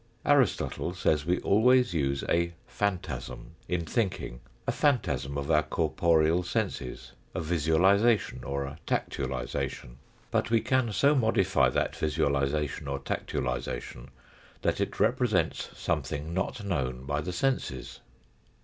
Aristotle says we always use a " phantasm " in thinking, a phantasm of our corporeal senses a visualisation or a tactualisation. But we can so modify that visualisation or tactualisation that it represents something not known by the senses.